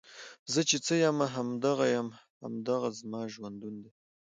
زۀ چې څۀ يم هم دغه يم، هـــم دغه زمـا ژونـد ون دی